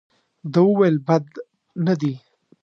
ده وویل بد نه دي.